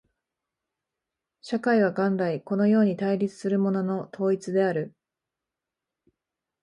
社会は元来このように対立するものの統一である。